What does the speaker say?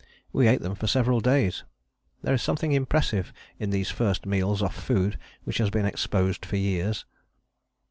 We ate them for several days. There is something impressive in these first meals off food which has been exposed for years.